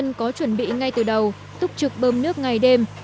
nhưng do người dân có chuẩn bị ngay từ đầu túc trực bơm nước ngày đêm